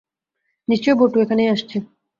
নিশ্চয় বটু–এখানেই আসছে।